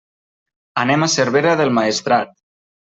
Anem a Cervera del Maestrat.